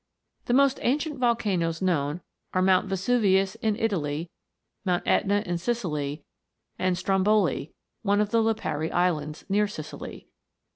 The most ancient volcanoes known are Mount Vesuvius in Italy, Mount JEtna in Sicily, and Stromboli, one of the Lipari Islands, near Sicily.